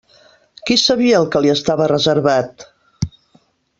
Qui sabia el que li estava reservat?